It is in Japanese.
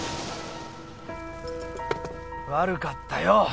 悪かったよ。